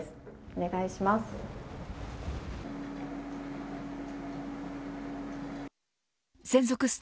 お願いします。